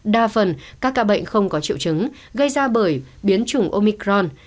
đa phần các ca bệnh không có triệu chứng gây ra bởi biến chủng omicron